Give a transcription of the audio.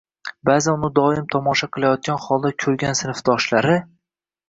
Ba'zan uni doim tomosha qilayotgan holda ko'rgan sinfdoshlari